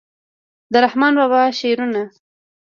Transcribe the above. د رحمان بابا شعرونه